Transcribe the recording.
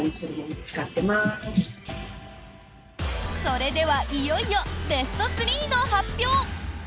それではいよいよ、ベスト３の発表！